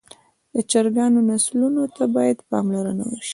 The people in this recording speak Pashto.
د چرګانو نسلونو ته باید پاملرنه وشي.